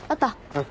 うん。